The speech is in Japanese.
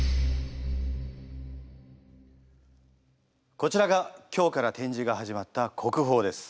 こちらが今日から展示が始まった国宝です。